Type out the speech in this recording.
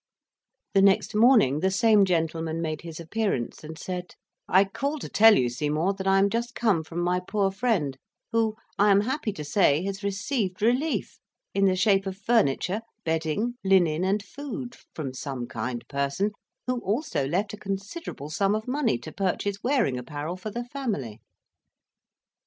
The next morning the same gentleman made his appearance, and said, "I call to tell you, Seymour, that I am just come from my poor friend, who, I am happy to say, has received relief, in the shape of furniture, bedding, linen, and food, from some kind person, who also left a considerable sum of money to purchase wearing apparel for the family."